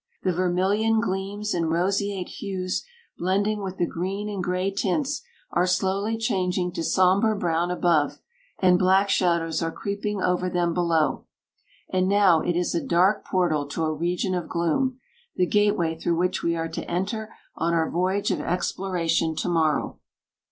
The vermilion gleams and roseate hues, blending with the green and gray tints, are slowly changing to somber brown above, and black shadows are creeping over them below; and now it is a dark portal to a region of gloom the gateway through which we are to enter on our voyage of exploration to morrow."